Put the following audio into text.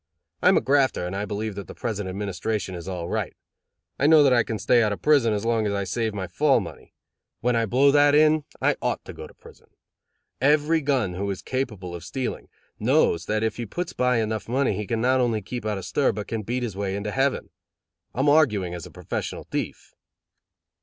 I am a grafter, and I believe that the present administration is all right. I know that I can stay out of prison as long as I save my fall money. When I blow that in I ought to go to prison. Every gun who is capable of stealing, knows that if he puts by enough money he can not only keep out of stir but can beat his way into heaven. I'm arguing as a professional thief."